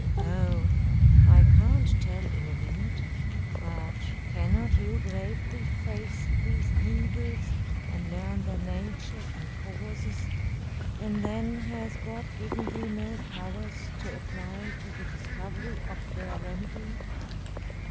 "Oh! I can't tell in a minute. But cannot you bravely face these evils, and learn their nature and causes; and then has God given you no powers to apply to the discovery of their remedy?